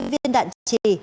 bảy mươi viên đạn trì